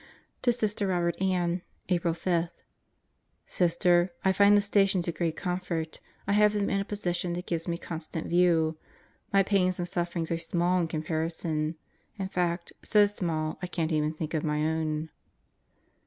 To Sister Robert Ann, Apr. 5: Sister, I find the Stations a great comfort. I have them in a position that gives me constant view. My pains and suffering are small in comparison. In fact, so small, I can't even think of my own.